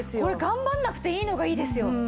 これ頑張んなくていいのがいいですよ。